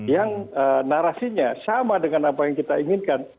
yang narasinya sama dengan apa yang kita inginkan